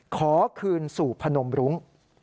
ขอคืนสู่พนมรุ้ง